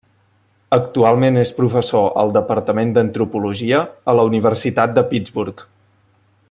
Actualment és professor al departament d'antropologia a la Universitat de Pittsburgh.